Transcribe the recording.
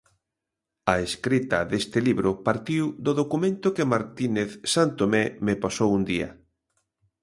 A escrita deste libro partiu do documento que Martínez Santomé me pasou un día.